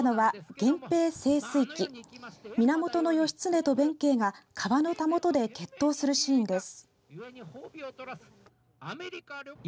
源義経と弁慶が、川のたもとで決闘するシーンです。